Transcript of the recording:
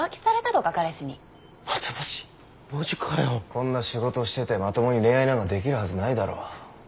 こんな仕事しててまともに恋愛なんかできるはずないだろ。